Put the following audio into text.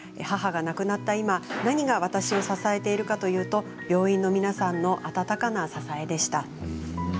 母が亡くなった今、何が私を支えてくれているかというと病院の皆さんの温かな支えでした。